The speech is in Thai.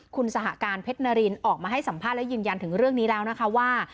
คุณสหการเพชรนารินออกมาให้สัมภาษณ์และยืนยันถึงเรื่องนี้แล้วนะคะว่า